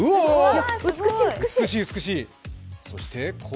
美しい、美しい。